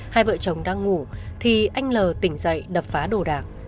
hai vợ chồng đang ngủ thì anh l tỉnh dậy đập phá đồ đạc